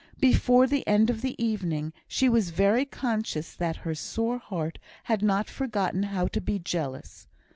Before the end of the evening, she was very conscious that her sore heart had not forgotten how to be jealous.